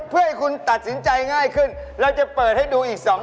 เพื่อให้คุณตัดสินใจง่ายขึ้นเราจะเปิดให้ดูอีก๒คน